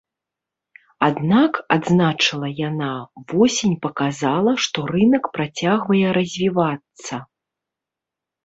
Аднак, адзначыла яна, восень паказала, што рынак працягвае развівацца.